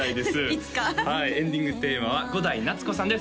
いつかはいエンディングテーマは伍代夏子さんです